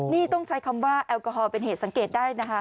นี่ต้องใช้คำว่าแอลกอฮอลเป็นเหตุสังเกตได้นะคะ